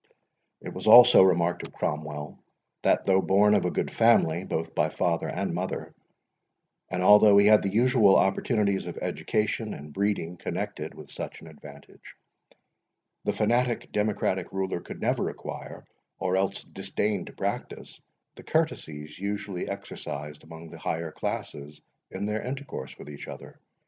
It was also remarked of Cromwell, that though born of a good family, both by father and mother, and although he had the usual opportunities of education and breeding connected with such an advantage, the fanatic democratic ruler could never acquire, or else disdained to practise, the courtesies usually exercised among the higher classes in their intercourse with each other.